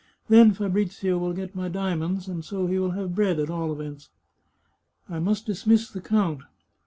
Then Fabrizio will get my diamonds, and so he will have bread at all events. " I must dismiss the count.